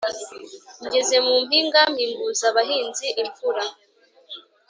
Ngeze mu mpinga mpinguza abahinzi-Imvura.